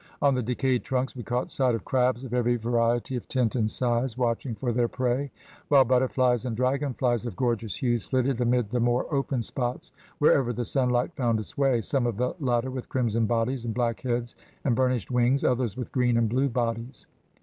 On the decayed trunks we caught sight of crabs of every variety of tint and size, watching for their prey, while butterflies and dragonflies of gorgeous hues flitted amid the more open spots wherever the sunlight found its way, some of the latter with crimson bodies and black heads and burnished wings, others with green and blue bodies.